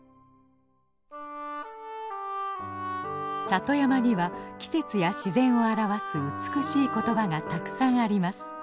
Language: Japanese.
里山には季節や自然を表す美しい言葉がたくさんあります。